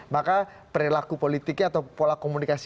maka perilaku politiknya atau pola komunikasi